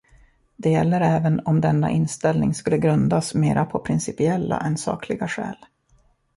Det gäller även om denna inställning skulle grundas mera på principiella än sakliga skäl.